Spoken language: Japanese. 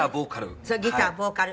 黒柳：そう、ギター・ボーカル。